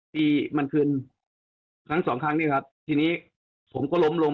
ที่มันขึ้นครั้งสองครั้งนี่ครับทีนี้ผมก็ล้มลง